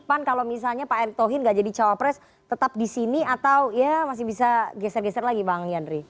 pan kalau misalnya pak erick thohin enggak jadi cawapres tetap di sini atau ya masih bisa geser geser lagi pak anggi andri